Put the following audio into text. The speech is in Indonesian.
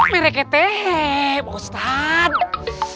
mereket teh pak ustadz